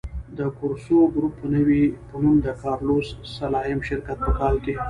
د کورسو ګروپ په نوم د کارلوس سلایم شرکت په کال کې.